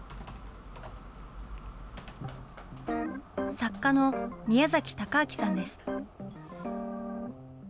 作家の宮崎高章さんです。